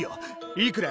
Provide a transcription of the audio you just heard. いくら？